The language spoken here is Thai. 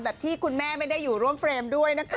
ที่คุณแม่ไม่ได้อยู่ร่วมเฟรมด้วยนะคะ